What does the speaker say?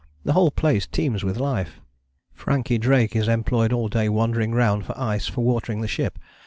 The whole place teems with life. "Franky Drake is employed all day wandering round for ice for watering the ship.